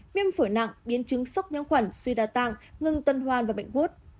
miêm phổi nặng biến chứng sốc nhiễm khuẩn suy đa tạng ngưng tân hoan và bệnh hút